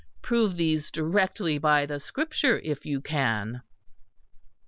Prove these directly by the Scripture if you can!"